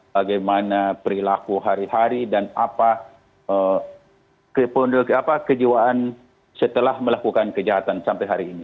bagaimana perilaku hari hari dan apa kejiwaan setelah melakukan kejahatan sampai hari ini